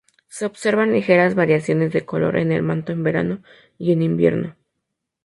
Se observan ligeras variaciones de color en el manto en verano y en invierno.